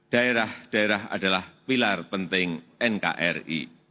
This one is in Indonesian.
daerah daerah adalah pilar penting nkri